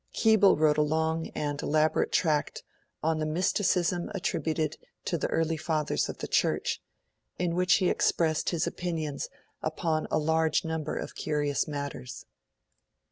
Keble wrote a long and elaborate tract 'On the Mysticism attributed to the Early Fathers of the Church', in which he expressed his opinions upon a large number of curious matters.